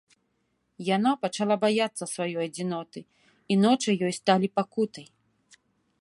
Яна пачала баяцца сваёй адзіноты, і ночы ёй сталі пакутай.